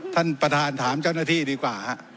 ท่านประธานถามเจ้าหน้าที่ดีกว่าฮะ